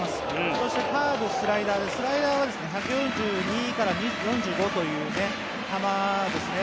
そしてカーブ、スライダーでスライダーは１４２から１４５という球ですね。